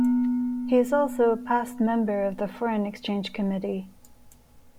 He is also a past member of the Foreign Exchange Committee.